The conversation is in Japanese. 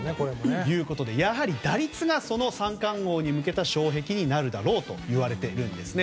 やはり打率が三冠王に向けた障壁になるだろうといわれてるんですね。